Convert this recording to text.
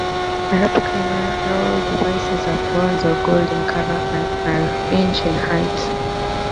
Arabic numeral devices are bronze or gold in color and are inch in height.